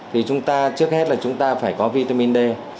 thì chúng ta trước hết là chúng ta phải có vitamin d